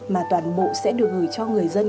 mà toàn bộ sẽ được gửi cho người dân